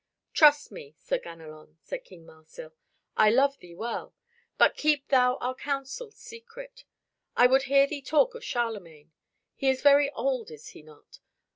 "Trust me, Sir Ganelon," said King Marsil, "I love thee well. But keep thou our counsels secret. I would hear thee talk of Charlemagne. He is very old, is he not?